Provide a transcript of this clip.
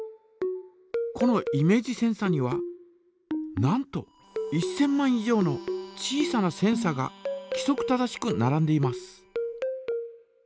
このイメージセンサにはなんと１，０００万以上の小さなセンサがきそく正しくならんでいます。